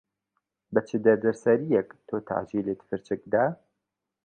بە چ دەردەسەرییەک تۆ تەعجیلت فرچک دا.